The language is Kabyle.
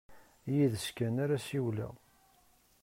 Yid-s kan ara ssiwleɣ.